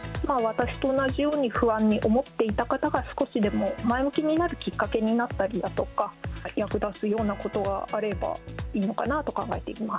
私と同じように不安に思っていた方が少しでも前向きになるきっかけになったりだとか、役立つようなことがあればいいのかなと考えています。